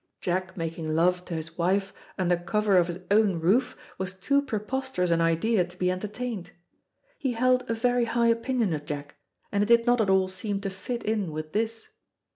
Jack making love to his wife under cover of his own roof was too preposterous an idea to be entertained. He held a very high opinion of Jack, and it did not at all seem to fit in with this.